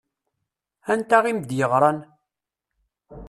Anta i m-d-yeɣṛan?